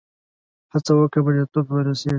هڅه وکړه، بریالیتوب ته رسېږې.